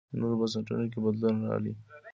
نورو بنسټونو کې بدلون راغی.